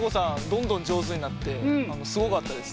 どんどんじょうずになってすごかったです。